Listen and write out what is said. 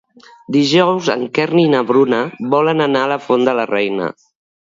Dijous en Quer i na Bruna volen anar a la Font de la Reina.